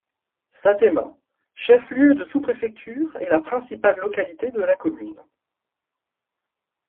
Satéma, chef-lieu de sous-préfecture est la principale localité de la commune.